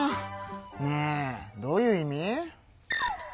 ねえどういう意味？